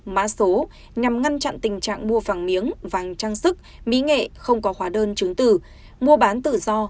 mã số nhằm ngăn chặn tình trạng mua vàng miếng vàng trang sức mỹ nghệ không có hóa đơn chứng tử mua bán tự do